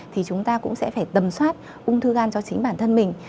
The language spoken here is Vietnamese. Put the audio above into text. thì chúng ta cũng sẽ phải tầm soát ung thư gan cho chính bản thân mình